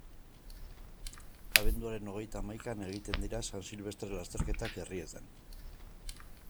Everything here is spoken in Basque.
Abenduaren hogeita hamaikan egiten dira San Silvestre lasterketak herrietan.